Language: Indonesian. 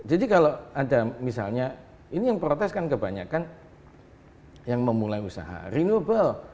jadi kalau ada misalnya ini yang protes kan kebanyakan yang memulai usaha renewable